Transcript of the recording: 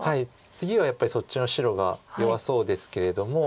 次はやっぱりそっちの白が弱そうですけれども。